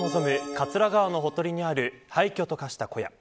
桂川のほとりにある廃虚と化した小屋。